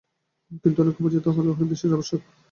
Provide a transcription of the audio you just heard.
কিন্তু অন্যকে বুঝাইতে হইলে উহার বিশেষ আবশ্যক।